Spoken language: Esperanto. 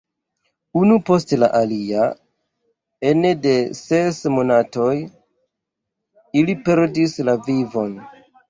Unu post la alia, ene de ses monatoj, ili perdis la vivon.